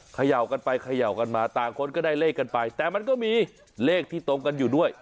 เขย่ากันไปเขย่ากันมาต่างคนก็ได้เลขกันไปแต่มันก็มีเลขที่ตรงกันอยู่ด้วย